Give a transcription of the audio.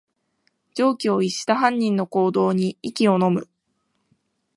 常軌を逸した犯人の行動に息をのむ